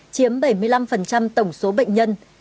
chiếm bảy mươi năm tổng số bệnh nhân